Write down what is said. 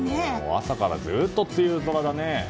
朝からずっと梅雨空だね。